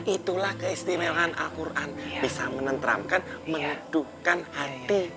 itulah keistimewaan alquran bisa menentramkan mendukkan hati